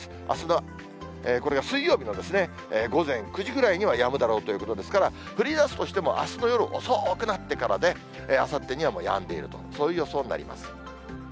あすの、これが水曜日の午前９時ぐらいにはやむだろうということですから、降りだすとしてもあすの夜遅くなってからで、あさってにはもうやんでいると、そういう予想になります。